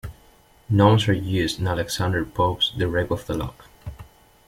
Gnomes are used in Alexander Pope's "The Rape of the Lock".